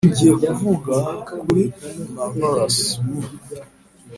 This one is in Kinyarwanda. ngiye kuvuga kuri marvelous me!